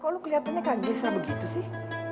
kok lu keliatannya kaget sih